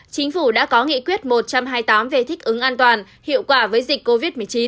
chính phủ đã có nghị quyết một trăm hai mươi tám về thích ứng an toàn hiệu quả với dịch covid một mươi chín